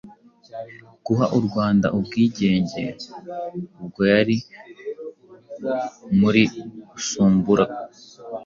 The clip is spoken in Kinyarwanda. guha u Rwanda ubwigenge. Ubwo yari muri Usumbura,